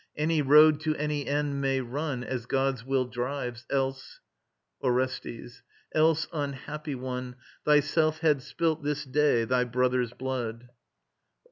Any road To any end may run, As god's will drives; else ... ORESTES. Else, unhappy one, Thyself had spilt this day thy brother's blood!